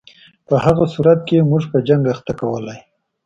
په هغه صورت کې یې موږ په جنګ اخته کولای.